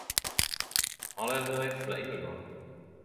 Har lese dei fleire gonger.